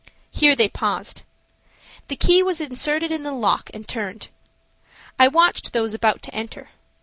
Here they paused. The key was inserted in the lock and turned. I watched those about to enter.